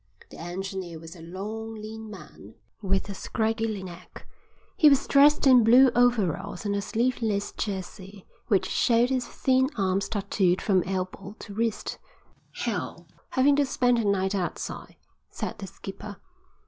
The engineer was a long, lean man with a scraggy neck. He was dressed in blue overalls and a sleeveless jersey which showed his thin arms tatooed from elbow to wrist. "Hell, having to spend the night outside," said the skipper.